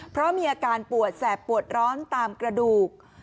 เพราะมีอาการปวดแสบปวดร้อนตามกระดูก